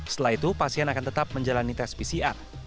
setelah itu pasien akan tetap menjalani tes pcr